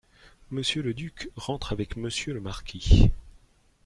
Monsieur le duc rentre avec Monsieur le marquis.